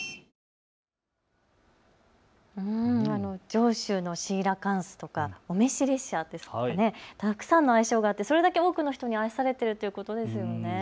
上州のシーラカンスとかお召し列車ですかね、たくさんの愛称があってそれだけ多くの人に愛されているということですよね。